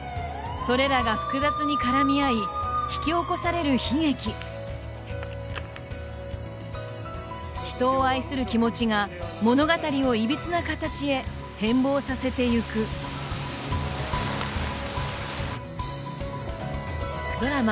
それらが複雑に絡み合い引き起こされる悲劇人を愛する気持ちが物語をいびつな形へ変貌させていくドラマ